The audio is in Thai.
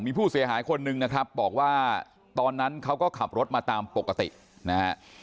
มีผู้เสียหายคนนึงนะครับบอกว่าตอนนั้นเขาก็ขับรถมาตามปกตินะฮะ